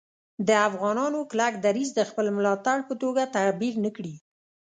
د افغانانو کلک دریځ د خپل ملاتړ په توګه تعبیر نه کړي